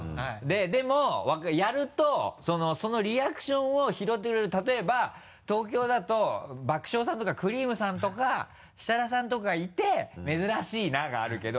でもやるとそのリアクションを拾ってくれる例えば東京だと爆笑さんとかくりぃむさんとか設楽さんとかいて「珍しいな」があるけど。